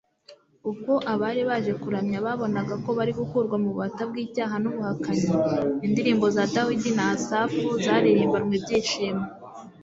ubwo abari baje kuramya babonaga ko bari gukurwa mu bubata bw'icyaha n'ubuhakanyi, indirimbo za dawidi na asafu zaririmbanwe ibyishimo